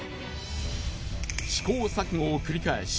試行錯誤を繰り返し